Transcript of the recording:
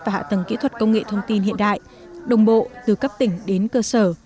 và hạ tầng kỹ thuật công nghệ thông tin hiện đại đồng bộ từ cấp tỉnh đến cơ sở